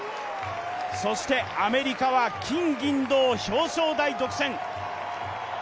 そしてアメリカは金・銀・銅、表彰台独占！